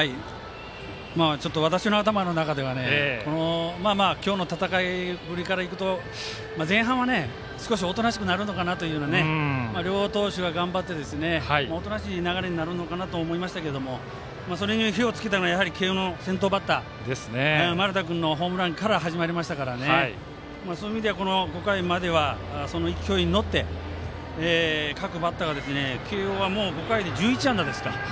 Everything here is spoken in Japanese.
ちょっと私の頭の中では今日の戦いぶりからいくと前半は少しおとなしくなるのかなというね両投手が頑張っておとなしい流れになるのかなと思いましたけれどもそれに火をつけたのは慶応の先頭バッター丸田君のホームランから始まりましたから５回までは、その勢いに乗って各バッターが慶応は５回で、もう１１安打ですか。